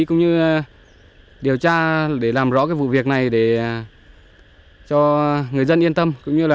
cũng như điều tra để làm rõ cái vụ việc này để cho người dân yên tâm